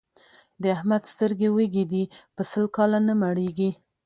د احمد سترګې وږې دي؛ په سل کاله نه مړېږي.